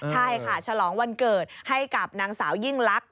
ใช่ค่ะฉลองวันเกิดให้กับนางสาวยิ่งลักษ